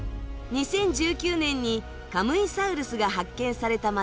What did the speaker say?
２０１９年にカムイサウルスが発見された町です。